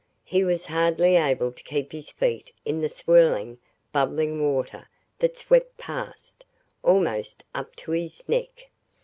He was hardly able to keep his feet in the swirling, bubbling water that swept past, almost up to his neck.